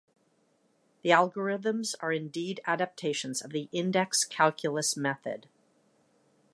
The algorithms are indeed adaptations of the index calculus method.